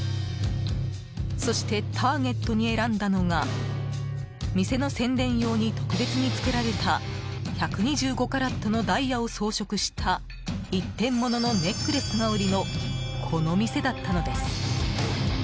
そしてターゲットに選んだのが店の宣伝用に特別に作られた１２５カラットのダイヤを装飾した一点物のネックレスが売りのこの店だったのです。